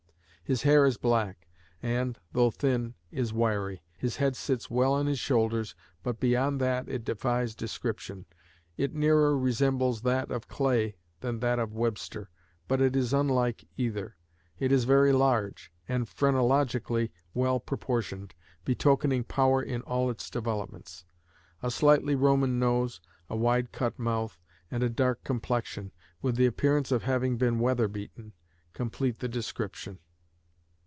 His hair is black, and, though thin, is wiry. His head sits well on his shoulders, but beyond that it defies description. It nearer resembles that of Clay than that of Webster; but it is unlike either. It is very large, and phrenologically well proportioned, betokening power in all its developments. A slightly Roman nose, a wide cut mouth, and a dark complexion, with the appearance of having been weather beaten, complete the description."